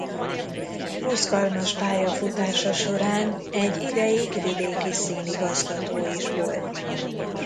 Mozgalmas pályafutása során egy ideig vidéki színigazgató is volt.